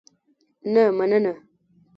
نه مننه.